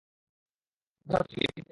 ভরসা রাখো, মেয়ে তো পেয়ে যাবা।